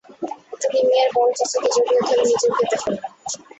তিনি মেয়ের বড়চাচাকে জড়িয়ে ধরে নিজেও কেঁদে ফেললেন।